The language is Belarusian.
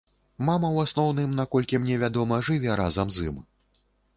Мама ў асноўным, наколькі мне вядома, жыве разам з ім.